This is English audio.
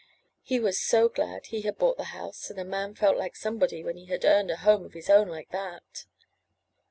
He was so glad he had bought the house, and a man felt like somebody when he had earned a home of his own like that.